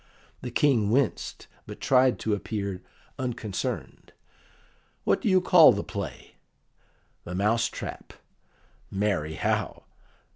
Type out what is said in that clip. The King winced, but tried to appear unconcerned. "What do you call the play?" "'The Mouse trap.' Marry, how?